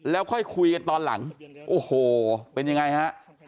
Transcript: แล้วค่อยคุยกันตอนหลังโอ้โหเป็นยังไงฮะ